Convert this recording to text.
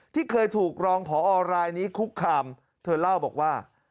ที่เคยถูกรองพอรายนี้คุกคามเธอเล่าบอกว่า